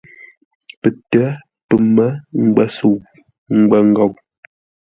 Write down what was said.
Pətə́, pəmə́, ngwəsəu, ngwəngou.